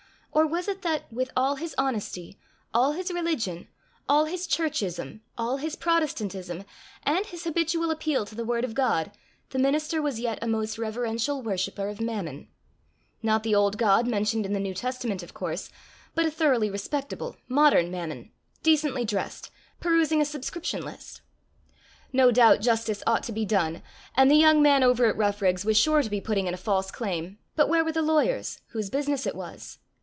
Or was it that, with all his honesty, all his religion, all his churchism, all his protestantism, and his habitual appeal to the word of God, the minister was yet a most reverential worshipper of Mammon, not the old god mentioned in the New Testament, of course, but a thoroughly respectable modern Mammon, decently dressed, perusing a subscription list! No doubt justice ought to be done, and the young man over at Roughrigs was sure to be putting in a false claim, but where were the lawyers, whose business it was?